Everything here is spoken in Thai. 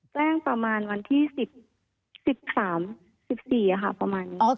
แกล้งประมาณวันที่๑๓๑๔ค่ะประมาณนี้